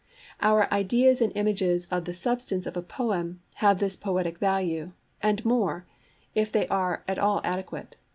Our ideas and images of the "substance" of a poem have this poetic value, and more, if they are at all adequate.